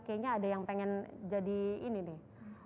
kayaknya ada yang pengen jadi ini nih